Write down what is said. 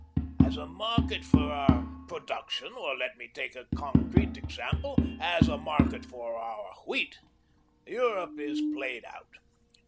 As a market for our Production or let me take a concrete example as a market for our WHEAT, Europe is played out.